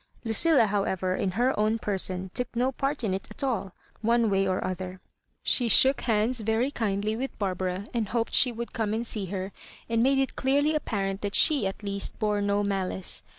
Lucilla, however, in her own person took no part in it at all, one way or other. She shook hands very kindly with Barbara, and hoped she would come and see her, and made it clearly ap parent that »he at least bore no malice.